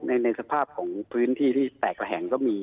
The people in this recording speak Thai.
ในสภาพของพื้นที่ที่แตกระแหงก็มี